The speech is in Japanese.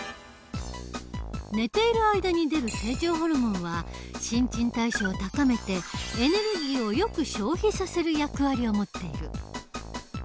寝ている間に出る成長ホルモンは新陳代謝を高めてエネルギーをよく消費させる役割を持っている。